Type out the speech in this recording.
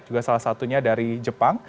juga salah satunya dari jepang